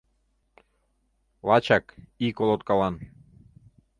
Лачак — ий колоткалан».